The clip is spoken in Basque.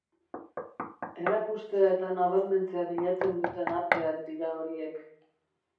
Erakustea eta nabarmentzea bilatzen duten arteak dira horiek.